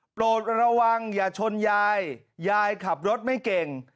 โปรดระวังอย่าชนยายยายขับรถไม่เก่ง